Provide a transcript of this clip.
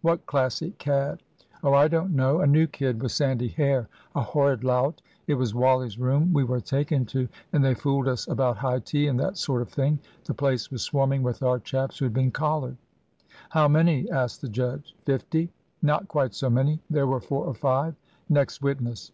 "What Classic cad!" "Oh, I don't know; a new kid with sandy hair, a horrid lout. It was Wally's room we were taken to, and they fooled us about high tea and that sort of thing. The place was swarming with our chaps who had been collared." "How many?" asked the judge. "Fifty?" "Not quite so many; there were four or five." "Next witness."